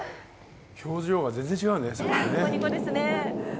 表情が全然、違うね。